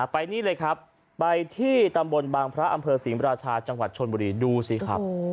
ไปนี่เลยครับไปที่ตำบลบางพระอำเภอศรีมราชาจังหวัดชนบุรีดูสิครับ